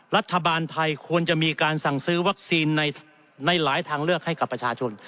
รัฐบาลไทยควรจะมีการสั่งซื้อวัคซีนในหลายทางเลือกให้กับประชาชน